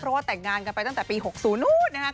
เพราะว่าแต่งงานกันไปตั้งแต่ปี๖๐นู้นนะครับ